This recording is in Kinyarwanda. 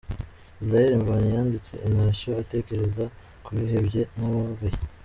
Israel Mbonyi yanditse "Intashyo" atekereza ku bihebye n’abababaye.